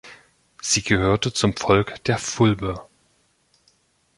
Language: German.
Sie gehörte zum Volk der Fulbe.